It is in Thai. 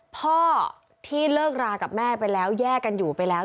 พ่อที่เลิกรากับแม่ไปแล้วแยกกันอยู่ไปแล้ว